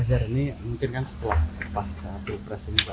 tepat satu presiden mungkin langsung untuk pak tanda depan ini akan